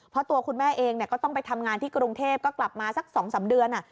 เพราะตัวคุณแม่เองก็ต้องไปทำงานที่กรุงเทพก็กลับมาสัก๒๓เดือน